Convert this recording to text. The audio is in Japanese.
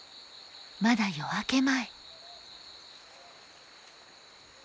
まだ夜明け前。